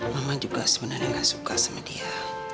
mama juga sebenarnya nggak suka sama dia